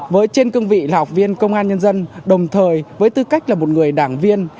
với trên cương vị là học viên công an nhân dân đồng thời với tư cách là một người đảng viên